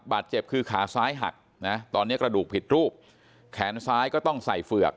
บาดเจ็บคือขาซ้ายหักนะตอนนี้กระดูกผิดรูปแขนซ้ายก็ต้องใส่เฝือก